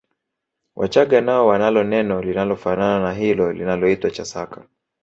Wachaga nao wanalo neno linalofanana na hilo linaloitwa Chasaka